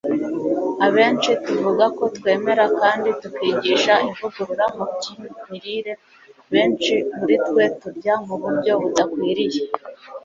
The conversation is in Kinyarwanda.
abenshi tuvuga ko twemera kandi tukigisha ivugurura mu by'imirire, benshi muri twe turya mu buryo budakwiriye